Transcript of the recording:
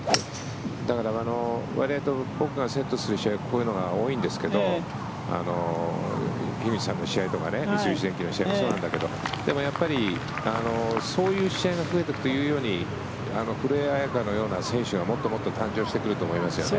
だから、わりあいと僕がセットする試合はこういうのが多いんですが樋口さんの試合とかもそうなんだけどでもやっぱりそういう試合が増えていくと古江彩佳のような選手がもっともっと誕生してくると思いますよね。